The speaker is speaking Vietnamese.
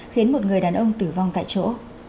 khiến một người đàn ông tử vong tại chỗ